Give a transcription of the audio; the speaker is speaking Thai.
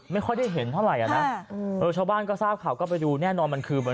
ไม่ค่อยได้เห็นเท่าไหร่นะปลูกเช้าบ้านก็ทราบข่าวก็ไปดูแน่นอนมันคือ